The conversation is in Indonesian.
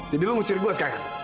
jadi lu ngusir gue sekarang